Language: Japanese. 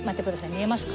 見えますか？